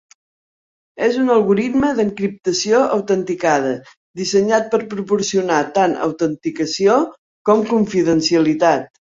És un algoritme d'encriptació autenticada dissenyat per proporcionar tant autenticació com confidencialitat.